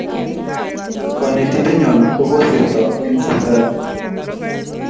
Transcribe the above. Konetindennyo koko sirto en sipitali